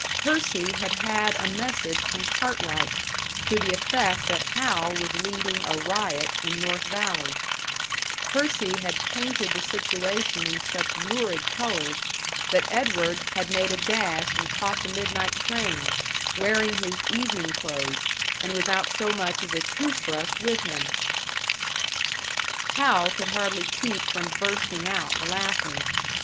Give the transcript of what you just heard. Percy had had a message from Cartwright, to the effect that Hal was leading a riot in North Valley; Percy had painted the situation in such lurid colours that Edward had made a dash and caught the midnight train, wearing his evening clothes, and without so much as a tooth brush with him! Hal could hardly keep from bursting out laughing.